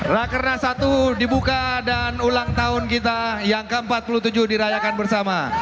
rakernas satu dibuka dan ulang tahun kita yang ke empat puluh tujuh dirayakan bersama